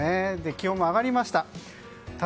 気温も上がりました。